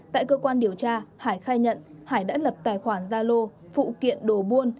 tại cơ quan điều tra hải khai nhận hải đã lập tài khoản gia lô phụ kiện đồ buôn